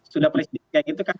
sudah presiden kayak gitu kan